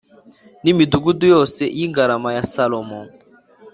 n’imidugudu yose y’ingarama ya Salomo